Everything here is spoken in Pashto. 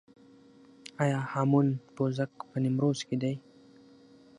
آیا هامون پوزک په نیمروز کې دی؟